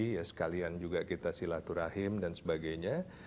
ya sekalian juga kita silaturahim dan sebagainya